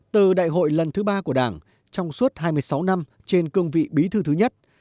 từ đại hội lần thứ ba của đảng trong suốt hai mươi sáu năm trên cương vị bí thư thứ nhất